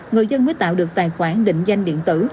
người dân mới tạo được tài khoản định danh điện tử